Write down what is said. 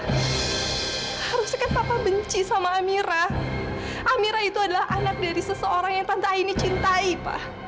harusnya kan papa benci sama amira amira itu adalah anak dari seseorang yang tante aini cintai pak